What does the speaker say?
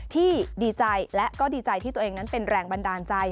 ดีใจและก็ดีใจที่ตัวเองนั้นเป็นแรงบันดาลใจ